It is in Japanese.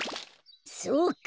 そうか。